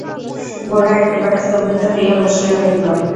গোরা একেবারে স্তম্ভিত হইয়া বসিয়া রহিল।